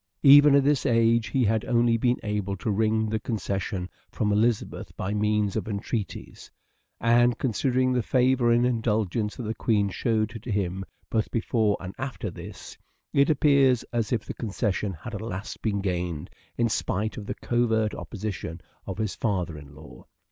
Even at this age he had only been able to wring the concession from Elizabeth by means of entreaties ; and, considering the favour and indulgence that the Queen showed to him both before and after this, it appears as if the concession had at last been gained in spite of the covert opposition of his father in law.